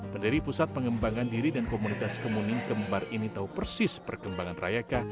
pendiri pusat pengembangan diri dan komunitas kemuning kembar ini tahu persis perkembangan rayaka